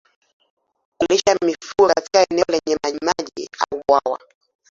Kulisha mifugo katika eneo lenye majimaji au bwawa